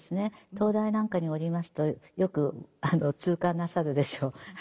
東大なんかにおりますとよく痛感なさるでしょう。